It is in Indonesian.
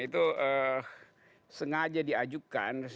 itu sengaja diajukan